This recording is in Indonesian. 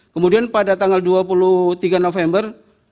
kemudian pada tanggal dua puluh tiga november